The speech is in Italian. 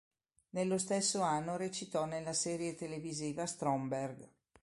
Nello stesso anno recitò nella serie televisiva "Stromberg".